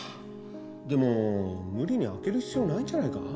でも無理に開ける必要ないんじゃないか？